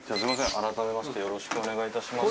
改めましてよろしくお願いいたします